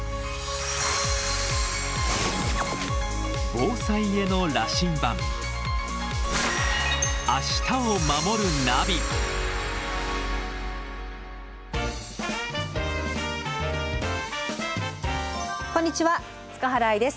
防災への羅針盤こんにちは塚原愛です。